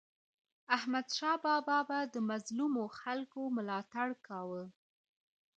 احمدشاه بابا به د مظلومو خلکو ملاتړ کاوه.